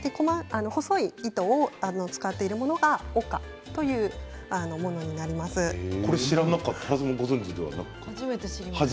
細い糸を使っているものが岡というものになります。